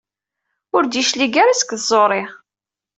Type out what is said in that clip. Ur d-yeclig ara seg tẓuri.